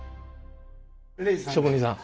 職人さん？